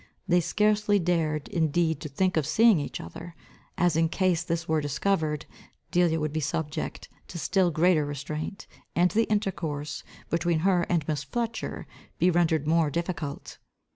They scarcely dared indeed to think of seeing each other, as in case this were discovered, Delia would be subject to still greater restraint, and the intercourse, between her and Miss Fletcher, be rendered more difficult.